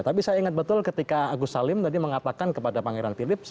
tapi saya ingat betul ketika agus salim tadi mengatakan kepada pangeran philips